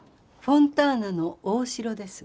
フォンターナの大城です。